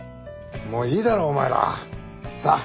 もういいだろお前ら。さあ。